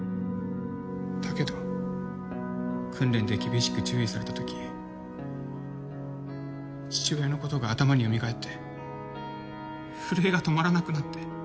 だけど訓練で厳しく注意されたとき父親のことが頭に蘇って震えが止まらなくなって。